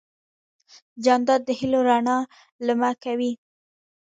جانداد د هېلو رڼا لمع کوي.